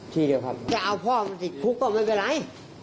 จะเอาพ่อติดคุกก็ไม่เป็นไร